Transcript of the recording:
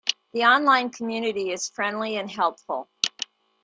The online community is friendly and helpful.